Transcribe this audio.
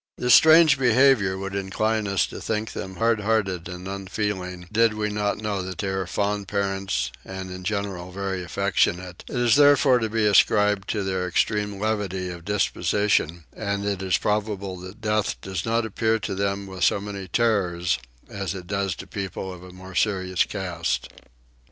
This strange behaviour would incline us to think them hardhearted and unfeeling, did we not know that they are fond parents and in general very affectionate: it is therefore to be ascribed to their extreme levity of disposition; and it is probable that death does not appear to them with so many terrors as it does to people of a more serious cast.